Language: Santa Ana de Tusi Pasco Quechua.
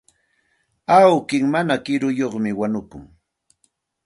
Awki mana kiruyuqmi wañukun.